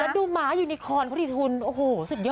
แล้วดูหมายูนิคอร์นพระดิทุนโอ้โหสุดยอด